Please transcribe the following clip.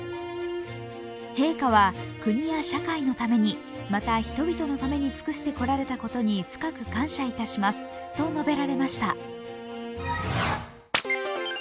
陛下は国や社会のためにまた人々のために尽くしてこられたことに深く感謝いたしますと述べられました。